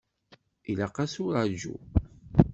Ilaq-as uraǧu.